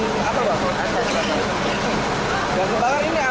dan kebakar ini apa sih bang